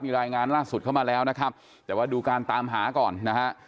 มีรายงานล่าสุดเข้ามาแล้วนะครับแต่ว่าดูการตามหาก่อนนะฮะ